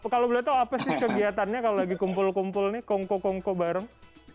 kalau boleh tahu apa sih kegiatannya kalau lagi kumpul kumpul nih kongko kongko bareng